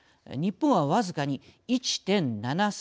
日本は僅かに１．７３％